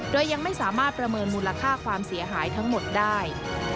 โดยยังไม่สามารถประเมินมูลค่าความเสียหายทั้งหมดได้